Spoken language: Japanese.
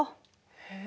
へえ